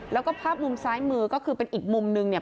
แล้วก็ภาพมุมซ้ายมือก็คือเป็นอีกมุมนึงเนี่ย